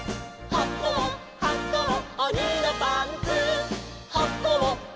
「はこうはこうおにのパンツ」